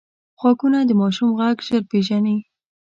غوږونه د ماشوم غږ ژر پېژني